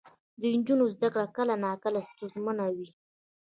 د نجونو زده کړه کله ناکله ستونزمنه وي.